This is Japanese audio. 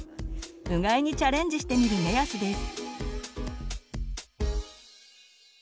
うがいにチャレンジしてみる目安です。